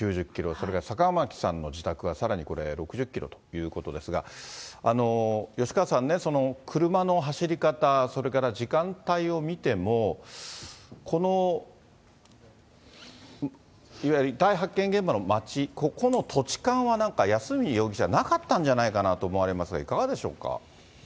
それから坂巻さんの自宅はさらにこれ、６０キロということですが、吉川さんね、車の走り方、それから時間帯を見ても、この、いわゆる遺体発見現場の町、ここの土地勘はなんか、安栖容疑者はなかったんじゃないかなと思われますが、いかがでしょうか。